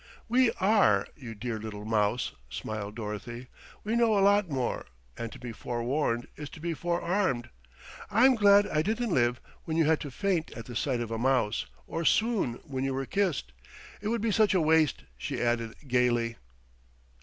"We are, you dear little mouse," smiled Dorothy. "We know a lot more, and to be forewarned is to be forearmed. I'm glad I didn't live when you had to faint at the sight of a mouse, or swoon when you were kissed. It would be such a waste," she added gaily.